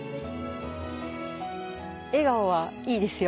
笑顔はいいですよ